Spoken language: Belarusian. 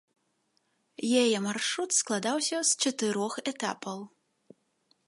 Яе маршрут складаўся з чатырох этапаў.